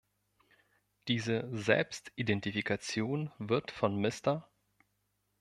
Diese Selbstidentifikation wird von Mr.